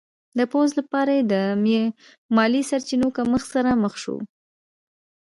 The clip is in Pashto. د پوځ لپاره یې د مالي سرچینو کمښت سره مخ شو.